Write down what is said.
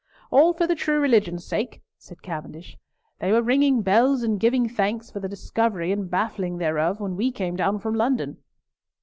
"All for the true religion's sake," said Cavendish. "They were ringing bells and giving thanks, for the discovery and baffling thereof, when we came down from London."